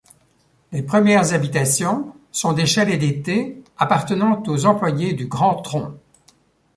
Les premières habitations sont des chalets d'été appartenant aux employés du Grand Tronc.